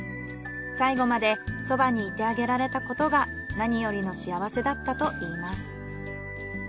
最後までそばにいてあげられたことが何よりの幸せだったと言います。